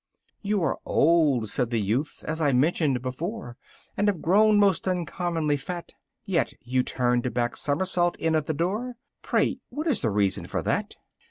"You are old," said the youth, "as I mentioned before, And have grown most uncommonly fat: Yet you turned a back somersault in at the door Pray what is the reason of that?"